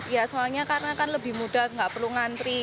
ya soalnya karena kan lebih mudah nggak perlu ngantri